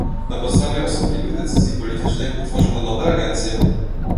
Na podstawie osobliwych decyzji politycznych utworzono nowe agencje